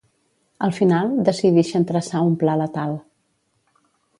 Al final, decidixen traçar un pla letal.